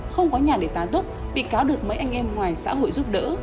không có nhà để tá túc bị cáo được mấy anh em ngoài xã hội giúp đỡ